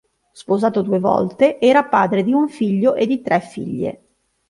Sposato due volte, era padre di un figlio e di tre figlie.